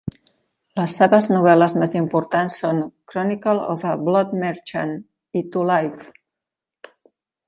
Les seves novel·les més importants són "Chronicle of a Blood Merchant" i "To Live".